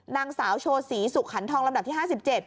นางสาวโชศรีสุขันทองลำดับที่๕๗